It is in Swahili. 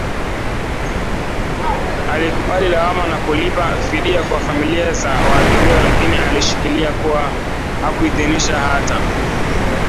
alikubali lawama na kulipa fidia kwa familia za waathiriwa lakini alishikilia kuwa hakuidhinisha hata